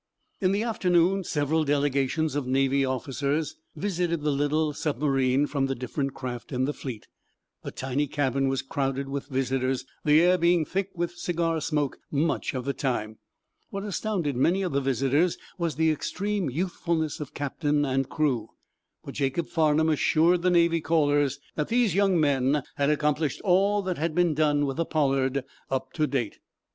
In the afternoon several delegations of naval officers visited the little submarine from the different craft in the fleet. The tiny cabin was crowded with visitors, the air being thick with cigar smoke much of the time. What astounded many of the visitors was the extreme youthfulness of captain and crew, but Jacob Farnum assured the naval callers that these young men had accomplished all that had been done with the 'Pollard' up to date.